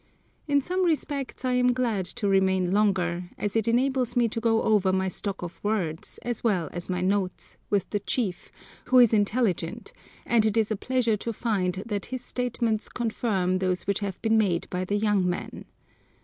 In some respects I am glad to remain longer, as it enables me to go over my stock of words, as well as my notes, with the chief, who is intelligent and it is a pleasure to find that his statements confirm those which have been made by the young men.